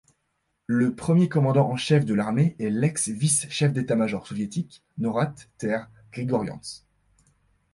Le premier commandant en chef de l'armée est l'ex vice-chef d'état-major soviétique, Norat Ter-Grigoryants.